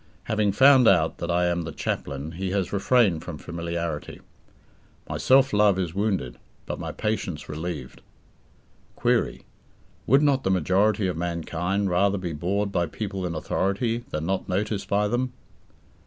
Having found out that I am the "chaplain", he has refrained from familiarity. My self love is wounded, but my patience relieved. Query: Would not the majority of mankind rather be bored by people in authority than not noticed by them?